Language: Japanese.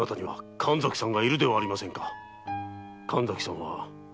神崎さんも。